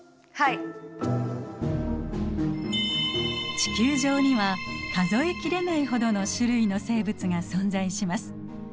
地球上には数え切れないほどの種類の生物が存在します。